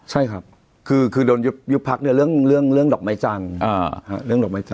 ใช่ครับคือโดนยุพักเนี่ยเรื่องดอกไม้จันทร์